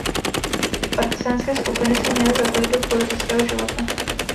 Partyzánské skupiny se měly zapojit do politického života.